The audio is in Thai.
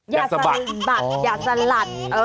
อย่าสะบัดอย่าซัลลัด